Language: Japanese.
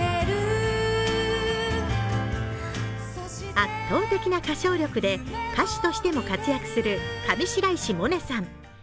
圧倒的歌唱力で歌手としても活躍する上白石萌音さん。